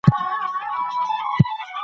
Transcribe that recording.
ایا طلاق اوس تر پخوا ډېر سوی دی؟